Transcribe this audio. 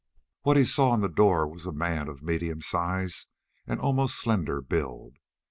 What he saw in the door was a man of medium size and almost slender build.